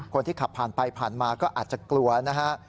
คนที่ขับผ่านไปผ่านมาก็อาจจะกลัวนะฮะ